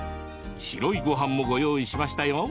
白いごはんも、ご用意しましたよ。